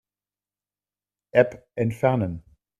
App entfernen.